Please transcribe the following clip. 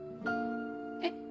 えっ？